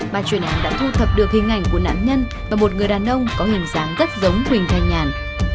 bà truyền án đã thu thập được hình ảnh của nạn nhân và một người đàn ông có hình dáng rất giống huỳnh thanh nhàn